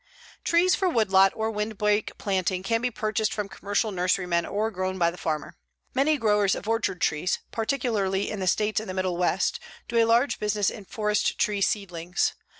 Trees for woodlot or windbreak planting can be purchased from commercial nurserymen or grown by the farmer. Many growers of orchard trees, particularly in the states in the middle West, do a large business in forest tree seedlings.